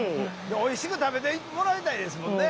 おいしく食べてもらいたいですもんね。